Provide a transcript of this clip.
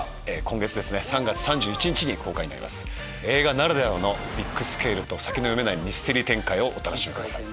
映画ならではのビッグスケールと先の読めないミステリー展開をお楽しみください。